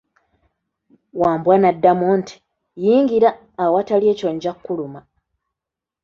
Wambwa n'amuddamu nti, yingira awatali ekyo nja kukulumal!